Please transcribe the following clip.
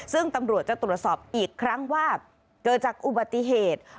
ซึ่งตำรวจจะตรวจสอบอีกครั้งว่าเกิดจากอุบัติเหตุ